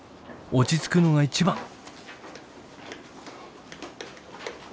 落ち着くのが一番！